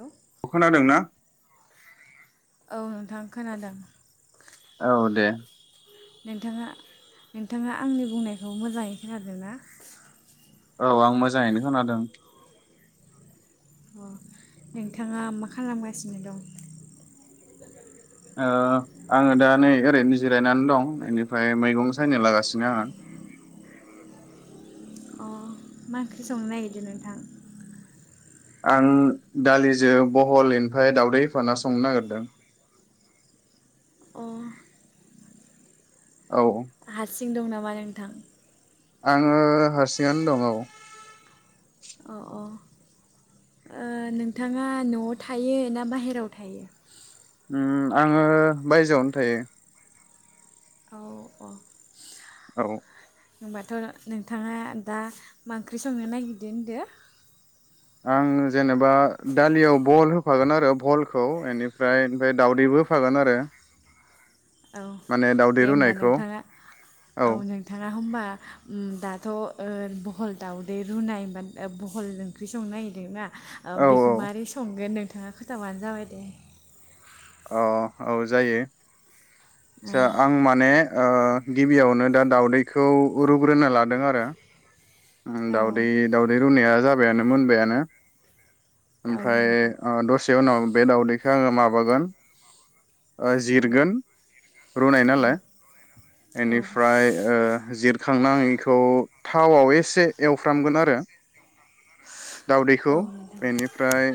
हेल' अ खोनादोंना? औ नोंथां खोनादों। औ दे। नोंथाङा नोंथाङा आंनि बुंनायखौ मोजाङै खोनादों ना? औ आं मोजाङैनो खोनादों। अ नोंथाङा मा खालामगासिनो दं? ओ आङो दा नै ओरैनो जिरायनानै दं इनिफ्राय मैगं सायनो लागासिनो आं। अ मा ओंख्रि संनो नागिरदों नोंथां। आं दालिजों बहल इनिफाय दावदै होफाना संनो नागिरदों। अ औ। हारसिं दं नामा नोंथां? आङो हारसिङनो दङ औ। अ अ। ओ नोंथाङा न'आव थायो ना बाहेराव थायो? उम आङो बायजोआवनो थायो। औ अ। औ। होनबाथ' नोंथाङा दा मा ओंख्रि संनो नागिरदो होनदो? आं जेनेबा दालियाव बहल होफागोन आरो बहलखौ एनिफ्राय ओमफाय दावदैबो होफागोन आरो। औ माने दावदै दे होमबा रुनायखौ नोंथाङा औ नोंथाङा होनबा। उम दाथ'ओ बहल दाउदै रुनायबा बहल ओंख्रि संनो नागिरदोंना? ओ औ बेखौ मारै संगोन नों नोंथाङा खोथाबानो जाबाय दे। अ औ जायो। सा आं माने ओ गिबियावनो दा दाउदैखौ रुग्रोना लादों आरो। उम औ दावदै दावदै रुनाया जा बायानो मोनबायानो। औ ओमफ्राय नोंथां ओ दसे उनाव। बे दावदैखौ आङो माबागोन। ओ औ जिरगोन रुनाय औ नालाय औ एनिफ्राय ओ जिरखांनां इखौ थावआव एसे एवफ्रामगोन आरो। दाउदैखौ औ नोंथां बेनिफ्राय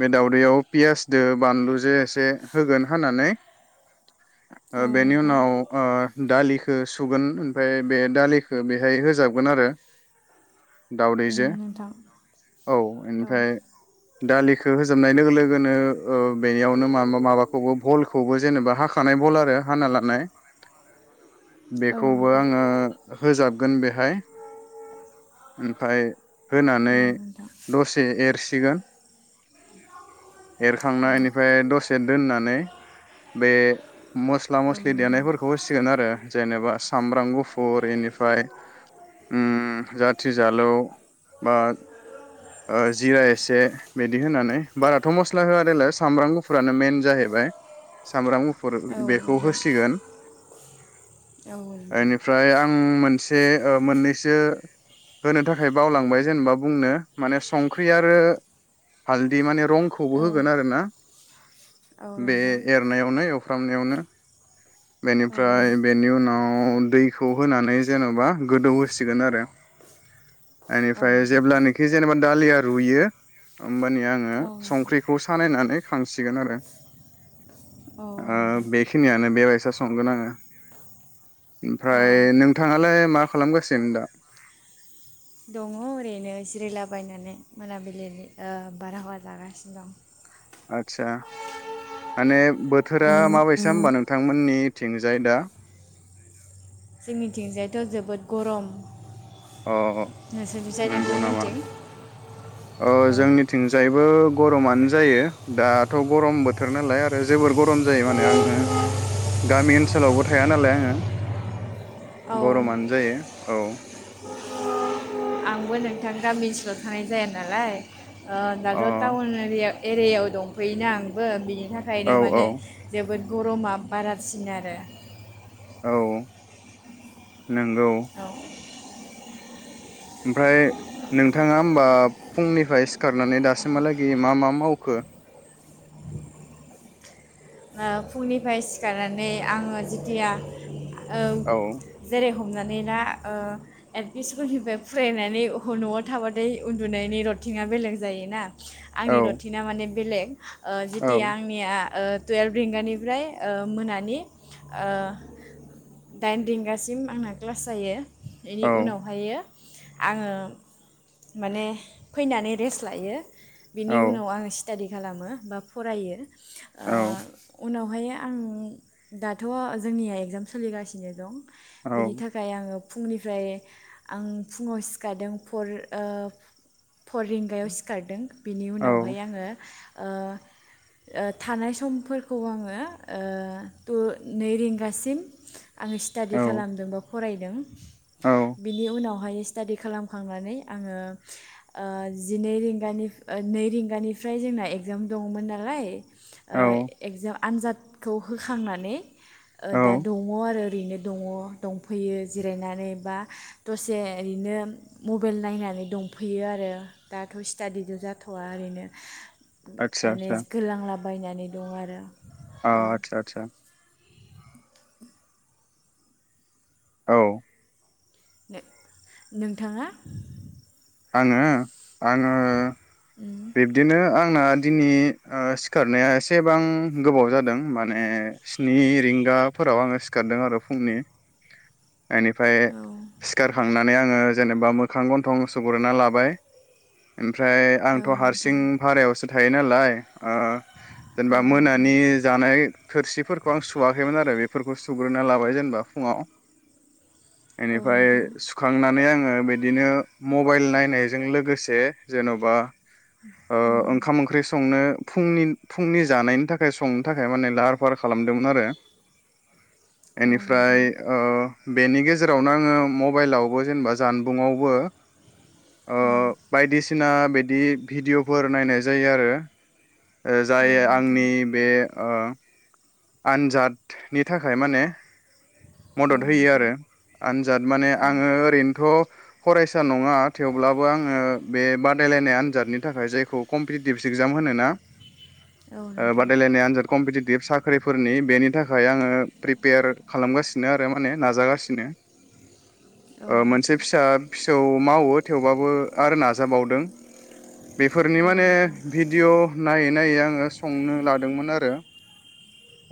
बे दाउदैयाव पियास। दो बानलु जे दे होगोन हाननानै। औ ओ बेनि नोंथां उनाव ओ दालि ओ सुगोन ओमफ्राय बे दालिखौ बेहाय होजाबगोन आरो। उम दावदैजो नोंथां औ औ ओमफ्राय दालिखौ। होजोबनाय लोगो लोगोनो ओ बेनियावनो मा होनबा माबा खौबो बहल खौबो जेनेबा हाखानाय बहल आरो हा लानाय। औ बेखौबो नोंथां आङो होजाबगोन बेहाय। ओमफ्रायाय औ होनानै नोंथां दसे एरसि [unintelligible] औ एरखांनाय बेनिफ्राय दसे दोननानै बे मस्ला औ मस्लि नोंथां देनायफोरखौ होसिगोन आरो जेनेबा सामब्राम गुफुर इनिफ्राय ओम जा थिजालौ बा ओ जिरा एसे बिदि होनानै बाराथ मस्ला होआ देलाय सामब्राम गुफुर फोरानो मेन जाहैबाय सामब्राम गुफु फोर ओह औ बेखौ नोंथां होसिगोन। औ नोंथां। उम मोनसे ओह मोननैसो होनो थाखाय बावलांबाय जेनेबा बुंनो माने संख्रि आरो हालदि माने रंखौबो औ होगोन नोंथां आरो ना। औ बे एरनायावनो एव फ्रामनायावनो। औ बेनिफ्राय बेनि उनाव। औ दैखौ होनानै जेनबा गोदौ होसिगोन आरो। औ एनिफ्राय नोंथां जेब्लानोखि जेनेबा दालि आर रुयो होमबानिया आङो। ओ औ नोंथां संख्रिखौ सानायनानै। खांसिगोन आरो। औ ओ नोंथां बेखिनियानो बेबायसा संगोन आङो। औ ओमफ्राय नोंथाङालाय मा खालामगासिनो दा। दङ ओरैनो जिरायला बायनानै मोनाबिलिनि ओ बारहावा जागासिनो दं। आतसा माने औ बोथोरा माबैसा होनोमबा नोंथांमोननिथ थिंजाय दा। जोंनिथिंजायथ जोबोद गरम। अह नोंसोरनिजाय नंगौ नामा नोंथांमोनथिं ओ औ जोंनिथिंजायबो। गरमानो जायो दाथ गरम बोथोर नालाय आरो जोबोर गरम। जायो माने आङो। गामि ओनसोलावबो थाया नालाय आङो औ गरमानो जायो औ। आंबो नोंथां गामि ओनसोलाव थानाय जाया नालाय। ओह अ दाजो ताउनारिआ एरियायाव दंफैयोना आंबो बिनि औ थाखायनो औ माने जोबोद गरमागरबा बारासिन आरो। औ नोंगौ। औ ओमफ्राय नोंथाङा होमबा फुंनिफ्राय सिखारनानै दासिमहालागि मा मा मावखो? ओह फुंनिफ्राय सिखारनानै आंङो जिथिया औ औ जेरै हम हमनानै ला ओ एल पि स्कुलनिफ्राय फुरायनानै न'आव थाबाथाय उन्दुनायनि रथिं आ बेलेग जायोना। औ आंनि रुटिना माने बेलेग। [inaudible] औ जिथिया आंनिया ओद टुवेल्भ रिंगानिफ्राय ओ मोनानि ओ दाइन रिंगासिम आंना क्लास जायो। बेनि औ उनावहायो आंङो माने फैनानै रेस्ट लायो। बिनि औ उनाव आं सिटाडि खालामो बा फरायो। औ ओ उनावहाय आं दाथ' जोंनिया एगजाम सोलिगासिनो दं। बिनि औ थाखाय आंङो फुंनिफ्राय आं फुंङाव सिखारदों फ फर रिंगायाव सिखारदों बिनि उनावहाय आंङो ओह ओ थानाय सम फोर आंङो ओह थ नै रिंगासिम आंङो स्टाडि औ खालामदों फरायदों। औ बिनि उनावहाय स्टाडि खालामखांनानै आंङो ओ जिनै रिंगानि नै रिंगानिफ्राय जोंना एगजाम दंङमोन नालाय। ओ औ याव आनजादखौ होखांनानै ओ औ दा दंङ आरो। बेनो दंङ दंफैयो जिरायनानै बा दसे ओरैनो मबाइल नायनानै दंफैयो आरो दाथ' स्टादिजों' जाथ'वा ओरैनो। आदसा माने आदसा गोलांला बायनानै दं आरो। अ औ आतसा आतसा औ नो नोंथाङा आङो आङो बिब्दिनो आंना दिनै सिखारनाया एसेबां गोबाव जादों माने स्नि रिंगाफोराव आङो सिखारदों आरो फुंनि। बेनिफ्राय औ सिखारखांना नै आङो जेनेबा मोखां गन्थं सुग्रोना लाबाय। ओमफ्राय औ थ' हारसिं नोंथां भारायावसो थायो थायो नालाय ओ औ जेनेबा नोंथां मोनानि जानाय थोरसिफोरखौ आं सुवाखैमोन आरो बेफोरखौ सुग्रोना लाबाय जेनेबा फुङाव औ इनिफ्राय नोंथां सुखांनानै आङो बिदिनो मबाइल नायनायजों लोगोसे जेन'बा ओ ओंखाम ओंख्रि संनो फुंनि फुंनि जानायनि थाखाय संनो थाखाय माने लाहार फाहार खालामदोंमोन आरो। औ इनिफ्राय नोंथां ओ बेनि गेजेरावनो आङो मबाइलावबो जेनेबा जानबुंआवबो ओ बायदिसिना बिदि भिडिअ'फोर नायनाय जायो आरो। ओ औ जाय नोंथां आंनि बे ओ आनजादनि थाखाय माने औ मदद होयो नोंथां आरो। आनजाद माने औ आङो ओरैनोथ' फरायसा नङा थेवब्लाबो आङो बे बादायलायनाय आनजादनि थाखाय जायखौ कम्पिटिटिभ एग्जाम होनो ना औ ओ नोंथां बादायलायनाय आनजाद कम्पिटि टिभ सा ख्रिफोरनि बेनि थाखाय आङो प्रिपियार खालामगासिनो आरो माने नाजागासिनो। औ ओ मोनसे नोंथां फिसा फिसौ मावो थेवबाबो आरो नाजाबावदों। बेफोरनि औ माने नोंथां भिडिअ' नायै नायै आङो संनो लादोंमोन आरो।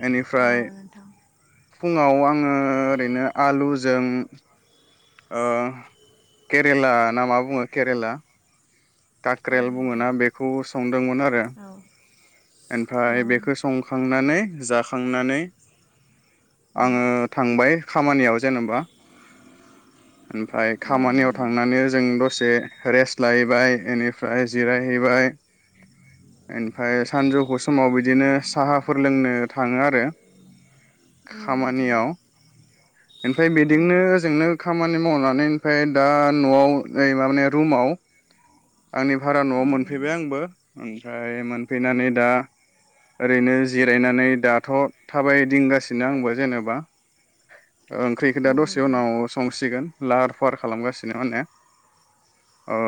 बेनिफ्राय औ नोंथां फुङाव आं आङो ओरैनो आलुजों ओ केरेला नामा बुङो केरेला औ काक्रेल बुङोना नोंथां बेखौ संदोंमोन आरो, औ ओमफ्राय बेखौ संखांनानै जा खांनानै आङो थांबाय खामानियाव जेन'बा ओमफ्राय औ खामानियाव नोंथां थांनानै जों दसे रेस्ट लाहैबाय इनिफ्राय जिरायहैबाय, ओमफ्राय सानजौफु समाव बिदिनो साहाफोर लोंनो थाङो आरो। औ नोंथां खामानियाव ओमफ्राय औ बिदिनो ओजोंनो खामानि मावनानै ओमफ्राय दा न'आव ओइ माने रुमाव आंनि भारा न'आव औ मोनफैबाय आंबो। ओमफ्राय मोनफैनानै दा ओरैनो जिरायनानै दाथ' थाबायदिंगासिनो आंबो जेनेबा ओंख्रिखौ नोंथां औ दा दसे नोंथां उनाव संसिगोन। लाहार फाहार खालामगासिनो माने। ओ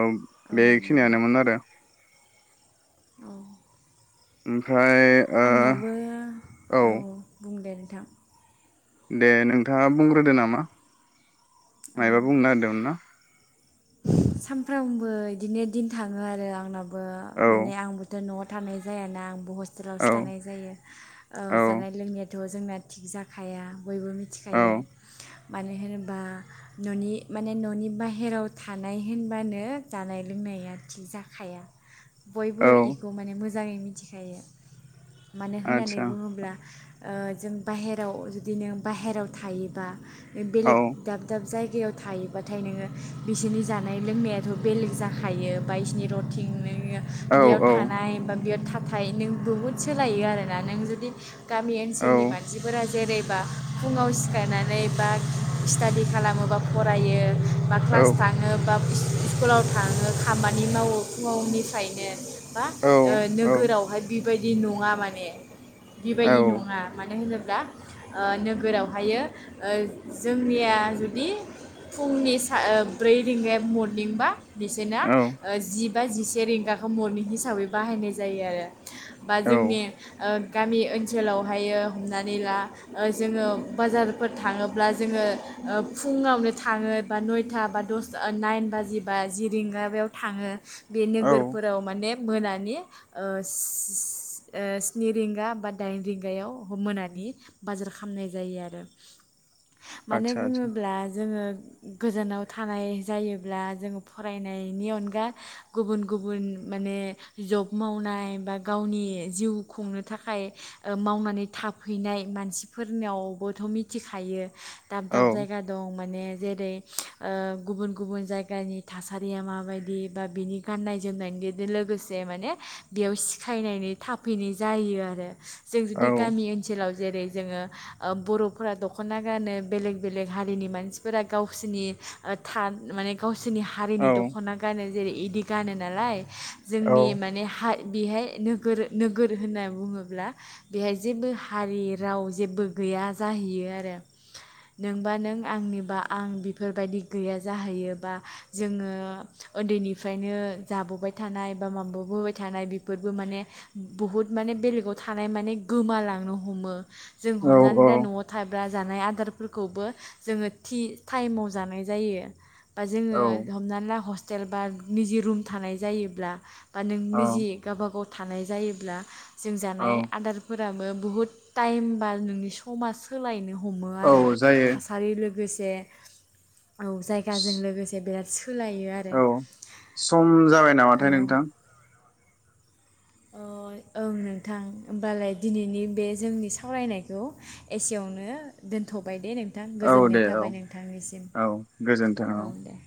औ बेखिनियानोमोन नोंथां आरो। औ [inaudible] ओमफ्राय ओ आंनाबो औ बुंदे नोंथां दे नोंथाङा बुंग्रोदो नामा, मायबा औ बुंनो नागिरदोंमोन ना सानफ्रामबो बिदिनो दिन थाङो आरो आंना आंबो औ माने आंबोथ' न'आव थानाय जायाना आंबो हस्तेल टेलावसो औ थानाय जायो। औ जानाय लोंनाय थ' जोंना थिग जाखाया। बयबो औ मिथिखायो। मानो होनोबा न'नि माने न'नि बाहेराव था नाय होनबानो जानाय लोंनाया थि जाखाया। बयबो औ इखौ माने मोजां जाङै मिथिखायो। मानो होननानै आदसा बुङोब्ला ओ जों बाहेरायाव जुदि नों बाहेरायाव थायोबा औ बेलेग दाब दाब जायगा याव थायोबाथाय नोङो बिसोरनि जानाय लोंनायाथ' बेलेग जाखायो बा बिसनि रटिं औ बेयाव थानाय बा बेयाव था नाथाय नों बहुद सोलायो आरोना नों जुदि गामि औ ओनसोलनि मानसिफोरा जेरैबा फुङाव सिखारायनानै बा स्टादि खालामोबा फरायो। बा क्लास औ थां ङो बा स्कुलाव थाङो खामानि मावो फुंनिफ्रायनो बा औ ओ नोगोरावहाय बिब बायदि नंङा माने बे औ बायदि नंङा मानो होनोब्ला ब्ला ओ नोगोरावहायो ओ जोंनिया जुदि फुंनि सा ओ ब्रै रिंगाया मरनिंबा बिसोरनो औ ओ जि बा जिसे रिंगाखौ मरनिं हिसाबै बाहायनाय जायो आरो। बा जोंनि ओ गामि ओनसोलावहायो हमनानै ला ओ जोंङो बाजारफोर थांङोब्ला जोंङो ओ फुंङावनो थांङो बा नयथा बा दस ओ नाइन बाजिबा जि रिंगाबायाव थांङो। बे नोगोरफोराव माने मोनानि ओ स्निनि रिंगा बा दाइन रिंगायाव मोनानि बाजार खालामनाय जायो आरो। मोनो आदसा आदसा बुंङोल्बा जोंङो गोजोनाव थानाय जायोब्ला जोंङो फरायनायनि अनगा गुबुन- गुबुन माने जब मावनाय बा गावनि जिउ खुंनो थाखाय ओ मावनानै थाफैनाय मानसिफोर नावबोथ मिथिखायो। दाब- औ दाब जायगा दं माने जेरै ओ गुबुन- गुबुन जायगानि थासारिया माबायदि बा बिनि गाननाय जोमनायनि लोगोसे माने बेयाव सिखायनायनि थाफैनाय जायो आरो। जों औ जुदि गामि ओनसोलाव जेरै जोंङो ओ बर'फोरा दख'ना गानो बेलेग-बेलेग हारिनि मानसिफोरा गावसिरनि ओ थान माने गाव सोरनि हारिनि औ दख'ना गानो जेरै इदि गानो नालाय जोंनि औ माने हा बेहाय नोगोर नोगोर होनना बुंङोब्ला बेहाय जेबो हारि राव जेबो गैया जाहैयो आरो नोंबा नों आंनिबा आं बेफोरबायदि गैया जाहैयोबा जोंङो उन्दै निफ्रायनो जाबोबाय थानाय बा माबाबोबाय थानाय बेफोरबो माने बहुद माने बेलेगाव थानाय माने गोमालांनो हमो। जों औ हमनानै औ दा न आव थाब्रा जानाय आदारफोरखौबो जोंङो थि ताइमाव जानाय जायो। बा जोंङो औ हमनानै ला हस हटेल बा निजि रुम थानाय जायोब्ला बा नों औ निजि गावबा गाव थानाय जायोब्ला जों जानाय औ आदारफोराबो बुहुद टाइमबा नोंनि समा सोलायनो हमो आरो औ जायो थासारि लोगोस दे। औ जायगाजों लोगोसे बिराद सोलायो आरो औ सम जाबाय औ नामाथाय नोंथां। अ ओं नोंथां होमबालाय दिनैनि बे जोंनि सावरायनायखौ एसेयावनो दोनथ बाय दे नों नोंथां औ गोजोननाय दे औ थाबाय नोंथांनिसिम औ गोजोन्थों औ दे।